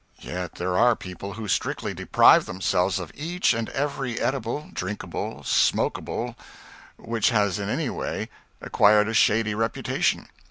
Yet there are people who strictly deprive themselves of each and every eatable, drinkable and smokable which has in any way acquired a shady reputation.